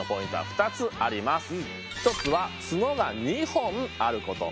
一つは角が２本あること。